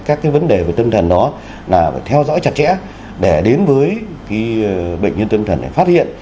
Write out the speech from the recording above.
các cái vấn đề về tâm thần đó là phải theo dõi chặt chẽ để đến với cái bệnh nhân tâm thần này phát hiện